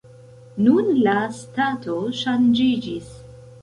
Nun la stato ŝanĝiĝis.